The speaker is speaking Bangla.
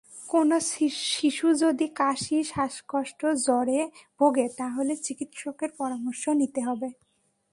কোনো শিশু যদি কাশি, শ্বাসকষ্ট, জ্বরে ভোগে, তাহলে চিকিত্সকের পরামর্শ নিতে হবে।